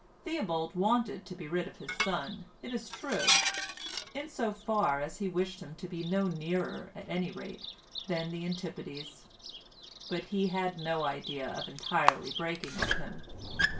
Theobald wanted to be rid of his son, it is true, in so far as he wished him to be no nearer at any rate than the Antipodes; but he had no idea of entirely breaking with him.